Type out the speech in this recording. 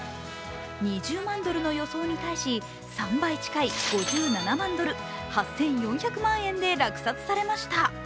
２０万ドルの予想に対し、３倍近い５７万ドル８４００万円で落札されました。